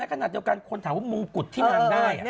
ขนาดเดียวกันคนถามว่ามงกุฎที่นางได้